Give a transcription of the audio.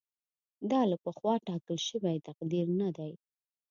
دا له پخوا ټاکل شوی تقدیر نه دی.